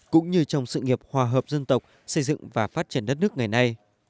cũng như trong sự nghiệp hòa hợp dân tộc xây dựng và phát triển đất nước ngày nay